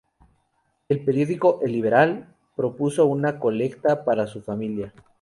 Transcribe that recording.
El periódico "El Liberal" propuso una colecta para su familia.